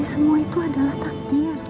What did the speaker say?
semua itu adalah takdir